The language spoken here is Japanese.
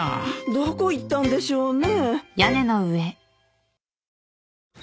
どこいったんでしょうね？